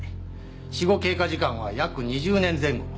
死後経過時間は約２０年前後。